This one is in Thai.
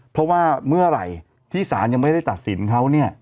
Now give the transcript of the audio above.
เพราะว่าเมื่อไหร่ที่ศาลยังไม่ได้ตัดสินเขาเนี่ย